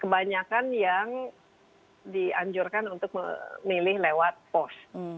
kebanyakan yang dianjurkan untuk memilih lewat pos